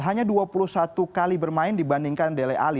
hanya dua puluh satu kali bermain dibandingkan dele ali